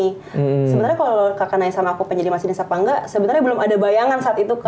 sebenarnya kalau kakak naisam aku penyedia masinis apa enggak sebenarnya belum ada bayangan saat itu